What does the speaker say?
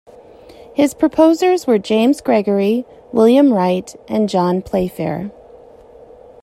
His proposers were James Gregory, William Wright, and John Playfair.